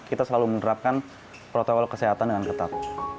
kita selalu menerapkan protokol kesehatan dengan ketat